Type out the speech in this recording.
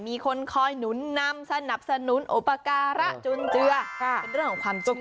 มีคนคอยหนุนนำสนับสนุนอุปการะจุนเจือเป็นเรื่องของความสุข